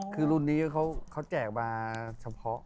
คือรุ่นนี้เขาแจกมาเฉพาะ